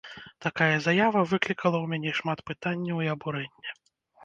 Такая заява выклікала ў мяне шмат пытанняў і абурэнне.